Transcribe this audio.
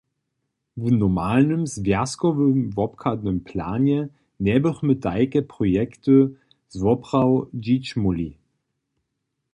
W normalnym zwjazkowym wobchadnym planje njebychmy tajke projekty zwoprawdźić móhli.